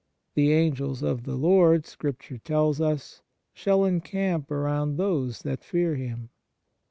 " The Angels of the Lord," Scripture tells us, " shall encamp around those that fear Him."